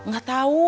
saya gak perlu tahu